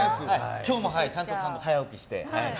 今日はもうちゃんと早起きして。